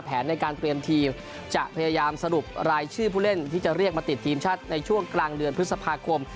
ในการเตรียมทีมจะพยายามสรุปรายชื่อผู้เล่นที่จะเรียกมาติดทีมชาติในช่วงกลางเดือนพฤษภาคม